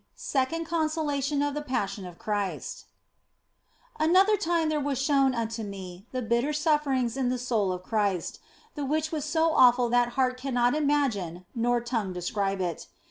SECOND CONSOLATION OF THE PASSION OF CHRIST ANOTHER time there were shown unto me the bitter suffering in the soul of Christ, the which was so awful that heart cannot imagine nor tongue describe it.